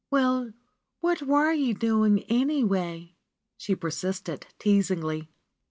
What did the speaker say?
^^Well, what were you doing, anyway?" she persisted, teasingly.